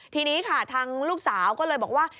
ทีนี้ค่ะทางลูกสาวก็เลยบอกว่า